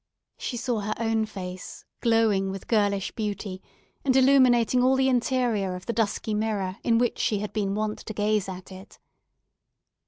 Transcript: She saw her own face, glowing with girlish beauty, and illuminating all the interior of the dusky mirror in which she had been wont to gaze at it.